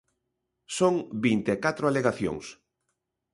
Son vinte e catro alegacións.